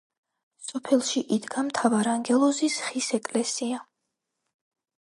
სოფელში იდგა მთავარანგელოზის ხის ეკლესია.